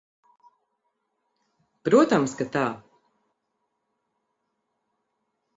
Protams, ka tā.